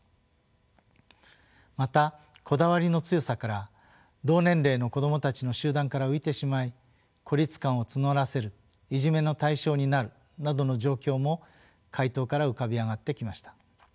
またこだわりの強さから同年齢の子どもたちの集団から浮いてしまい孤立感を募らせるいじめの対象になるなどの状況も回答から浮かび上がってきました。